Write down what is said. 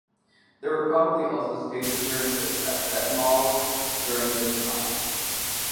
There were probably also stage appearances at Detmold during this time.